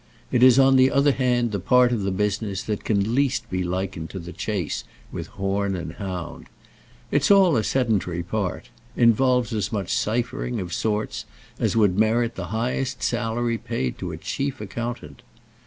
It is on the other hand the part of the business that can least be likened to the chase with horn and hound. It's all a sedentary part—involves as much ciphering, of sorts, as would merit the highest salary paid to a chief accountant.